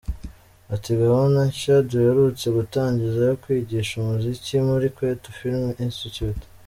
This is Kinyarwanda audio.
Ati “Gahunda nshya duherutse gutangiza yo kwigisha umuziki muri Kwetu Film Institute.